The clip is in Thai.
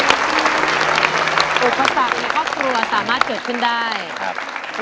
อุปสรรคในครอบครัวสามารถเกิดขึ้นได้ครับ